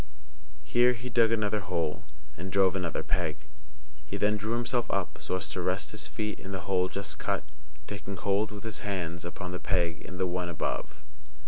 Here he dug another hole, and drove another peg. He then drew himself up, so as to rest his feet in the hole just cut, taking hold with his hands upon the peg in the one above.